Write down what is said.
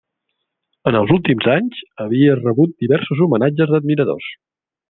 En els últims anys havia rebut diversos homenatges d'admiradors.